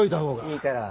いいから。